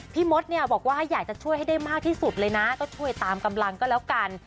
มดเนี่ยบอกว่าอยากจะช่วยให้ได้มากที่สุดเลยนะก็ช่วยตามกำลังก็แล้วกัน